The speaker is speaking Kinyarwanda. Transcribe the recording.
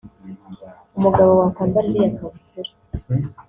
umugabo wakwambara iriya kabutura